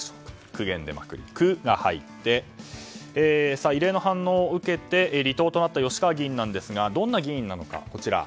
苦言出まくり「ク」が入って異例の反応を受けて離党となった吉川議員ですがどんな議員なのか。